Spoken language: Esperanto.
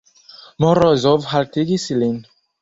Morozov haltigis lin.